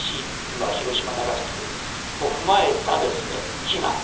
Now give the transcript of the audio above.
今広島、長崎ということを踏まえたですね、非難